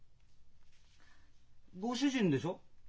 ご主人でしょう？